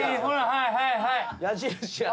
はいはいはい。